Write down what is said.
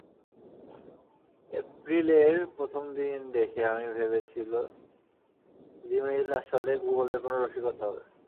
এপ্রিলের প্রথম দিন দেখে আমি ভেবেছিল জিমেইল আসলে গুগলের কোনো রসিকতা হবে।